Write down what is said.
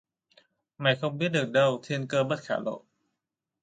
Mày không biết được đâu thiên cơ bất khả lộ